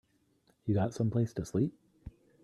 You got someplace to sleep?